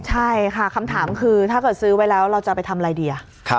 ใช่ค่ะคำถามคือถ้าเกิดซื้อไว้แล้วเราจะไปทำอะไรดี